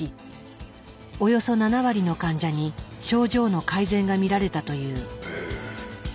およそ７割の患者に症状の改善が見られたという。